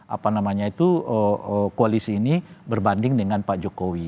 apa namanya itu koalisi ini berbanding dengan pak jokowi